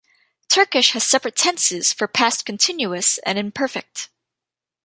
Turkish has separate tenses for past continuous and imperfect.